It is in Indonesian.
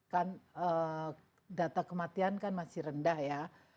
kan data kematian kan masih rendah ya